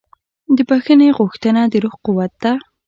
د بښنې غوښتنه د روح قوت ده.